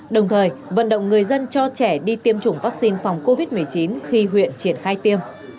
đồng thời vận động người dân cho trẻ đi tiêm chủng vaccine phòng covid một mươi chín khi huyện triển khai tiêm